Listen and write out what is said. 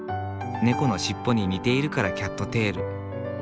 猫の尻尾に似ているから「キャットテール」。